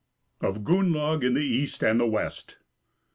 Of Gunnlaug in the East and the West.